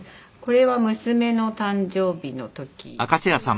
これは娘の誕生日の時ですね。